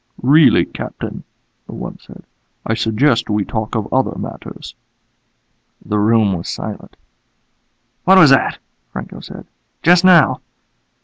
"Really, Captain," the wub said. "I suggest we talk of other matters." The room was silent. "What was that?" Franco said. "Just now."